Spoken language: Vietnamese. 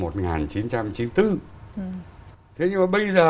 thế nhưng mà bây giờ